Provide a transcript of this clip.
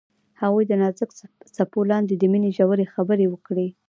هغوی د نازک څپو لاندې د مینې ژورې خبرې وکړې.